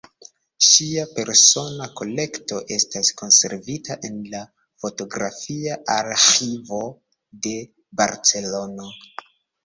Ŝia persona kolekto estas konservita en la Fotografia Arĥivo de Barcelono.